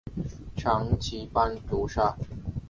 长鳍斑竹鲨为须鲨科斑竹鲨属的鱼类。